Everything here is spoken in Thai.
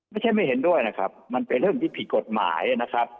ไม่เห็นด้วยนะครับมันเป็นเรื่องที่ผิดกฎหมายนะครับ